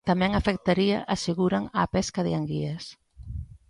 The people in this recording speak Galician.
Tamén afectaría, aseguran, á pesca de anguías.